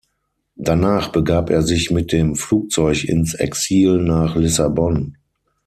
Danach begab er sich mit dem Flugzeug ins Exil nach Lissabon.